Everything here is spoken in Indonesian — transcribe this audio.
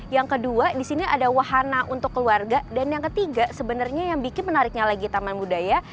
yang kedua di sini ada wahana untuk keluarga dan yang ketiga sebenarnya yang bikin menariknya lagi taman budaya